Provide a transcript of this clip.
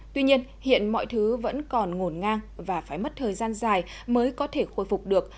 tuy nhiên hiện mọi thứ vẫn còn ngồn ngang và phải mất thời gian dài mới có thể khôi phục được